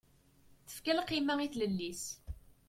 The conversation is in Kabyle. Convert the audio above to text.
Tefka lqima i tlelli-is.